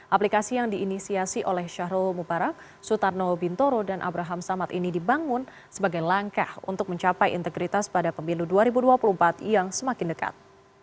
aplikasi yang diinisiasi oleh syahrul mubarak sutarno bintoro dan abraham samad ini dibangun sebagai langkah untuk mencapai integritas pada pemilu dua ribu dua puluh empat yang semakin dekat